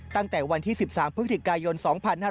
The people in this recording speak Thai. ตั้งแต่วันที่๑๓พศ๒๕๕๘